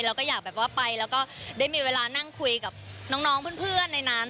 เราก็อยากแบบว่าไปแล้วก็ได้มีเวลานั่งคุยกับน้องเพื่อนในนั้น